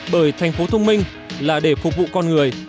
bởi thành phố thông minh là để phục vụ con người